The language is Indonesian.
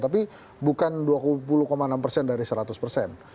tapi bukan dua puluh enam persen dari seratus persen